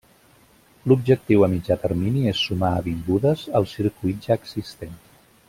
L'objectiu a mitjà termini és sumar avingudes al circuit ja existent.